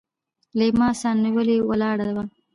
ليلما سانيولې ولاړه وه.